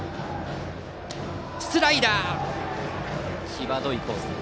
際どいコース。